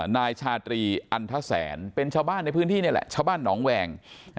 นายชาตรีอันทแสนเป็นชาวบ้านในพื้นที่นี่แหละชาวบ้านหนองแวง